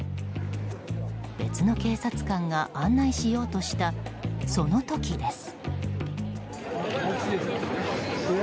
別の警察官が案内しようとした、その時です。